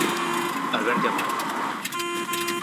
Alberte Amado.